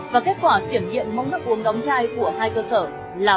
và kết quả kiểm nghiệm mẫu nước uống đóng chai